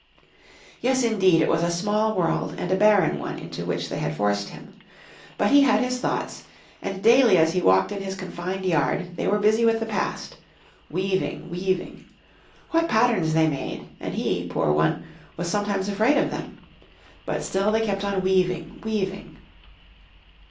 Yes, indeed, it was a small world and a barren one into which they had forced him. But he had his thoughts, and daily as he walked in his confined yard, they were busy with the past, weaving, weaving. What patterns they made, and he, poor one, was sometimes afraid of them! But still they kept on weaving, weaving.